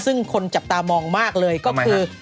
ซึ่งคนจับตามองมากเลยก็คือ